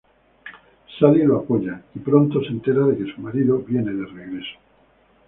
Sally lo apoya, y pronto se entera de que su marido viene de regreso.